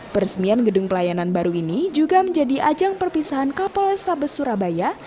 peresmian gedung pelayanan baru ini juga menjadi ajang perpisahan kapolres tabes surabaya